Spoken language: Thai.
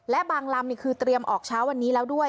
และบางลำนี่คือเตรียมออกเช้าวันนี้แล้วด้วย